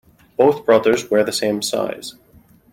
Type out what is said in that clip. Both brothers wear the same size.